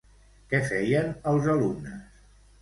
Què feien els alumnes?